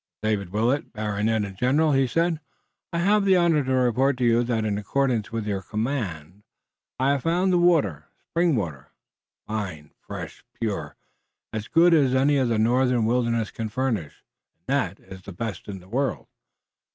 "Sir David Willet, baronet and general," he said, "I have the honor to report to you that in accordance with your command I have found the water, spring water, fine, fresh, pure, as good as any the northern wilderness can furnish, and that is the best in the world.